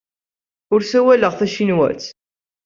Ur ssawaleɣ tacinwat.